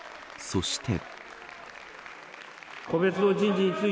そして。